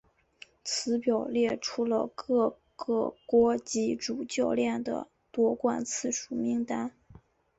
此表列出了各个国籍主教练的夺冠次数名单。